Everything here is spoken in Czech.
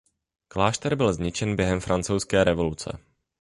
Klášter byl zničen během Francouzské revoluce.